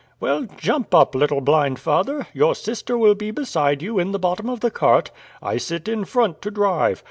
"Well, jump up, little blind father. Your sister will be beside you, in the bottom of the cart; I sit in front to drive.